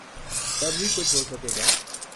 تب ہی کچھ ہو سکے گا۔